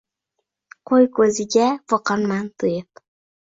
Qo‘yko‘ziga boqarman to‘yib.